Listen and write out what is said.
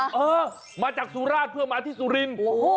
เออมาจากสุราชเพื่อมาที่สุรินทร์